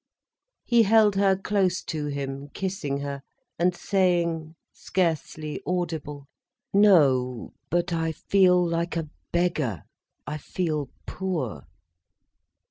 He held her close to him, kissing her, and saying, scarcely audible: "No, but I feel like a beggar—I feel poor."